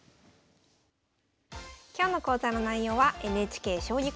今日の講座の内容はＮＨＫ「将棋講座」テキスト